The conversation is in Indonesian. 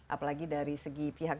apalagi dari segi pihak